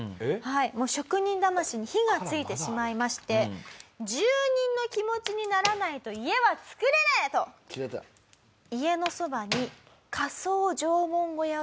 もう職人魂に火がついてしまいまして「住人の気持ちにならないと家は作れねえ！」と家のそばに。